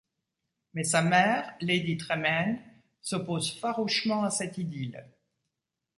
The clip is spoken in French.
Mais sa mère, Lady Trémaine, s'oppose farouchement à cette idylle.